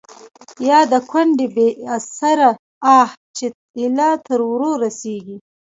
يا َد کونډې بې اسرې آه چې ا يله تر ورۀ رسيږي